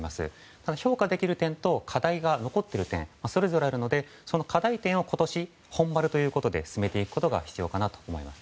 ただ、評価できる点と課題が残っている点それぞれあるのでその課題点を今年進めていくことが必要かと思います。